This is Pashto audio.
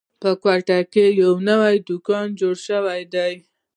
په کوټه کې یو نوی دوکان جوړ شوی ده